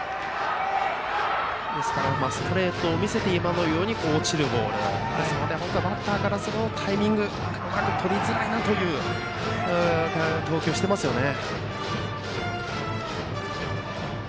ストレートを見せて今のように落ちるボールですのでバッターからするとタイミングをとりづらいなという投球をしていますよね。